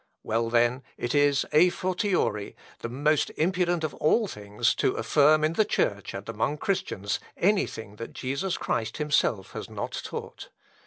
Well, then, it is a fortiori, the most impudent of all things to affirm in the Church and among Christians anything that Jesus Christ himself has not taught.